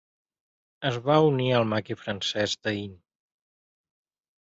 Es va unir al maqui francès d'Ain.